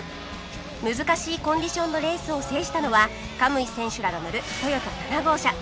難しいコンディションのレースを制したのは可夢偉選手らが乗るトヨタ７号車